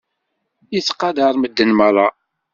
Yettqadaṛ medden meṛṛa.